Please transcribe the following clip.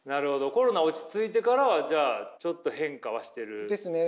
コロナ落ち着いてからはじゃあちょっと変化はしてる？ですね。